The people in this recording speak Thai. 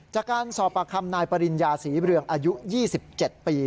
จากการสอบปากคำนายปริญญาศรีเรืองอายุ๒๗ปี